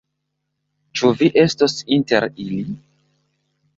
Ĉu vi estos inter ili?